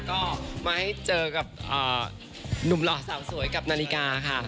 ก็มาให้เจอกับหนุ่มหล่อสาวสวยกับนาฬิกาค่ะ